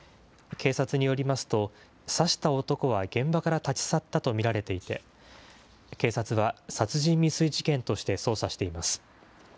警察によりますと、刺した男は現場から立ち去ったと見られていて、警察は殺人未遂事件として捜査しています。